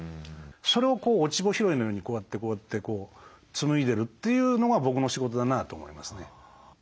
それを落ち穂拾いのようにこうやってこうやって紡いでるというのが僕の仕事だなと思いますね。